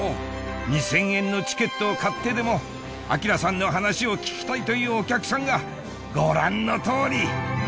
２０００円のチケットを買ってでも晃さんの話を聞きたいというお客さんがご覧の通り！